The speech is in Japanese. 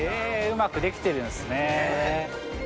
うまくできてるんすね。